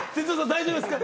大丈夫ですか。